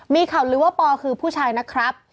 มีข่าวลือว่าปอคือผู้ชายนะครับ